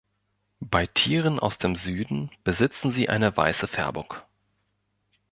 Bei Tieren aus dem Süden besitzen sie eine weiße Färbung.